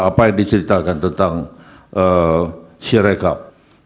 apa yang diceritakan tentang sirekap